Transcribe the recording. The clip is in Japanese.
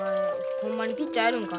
ほんまにピッチャーやるんか？